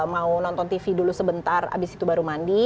mau nonton tv dulu sebentar abis itu baru mandi